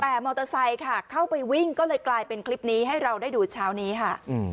แต่มอเตอร์ไซค์ค่ะเข้าไปวิ่งก็เลยกลายเป็นคลิปนี้ให้เราได้ดูเช้านี้ค่ะ